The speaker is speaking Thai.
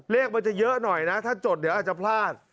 เลขมันจะเยอะหน่อยนะถ้าจดเดี๋ยวอาจจะพลาด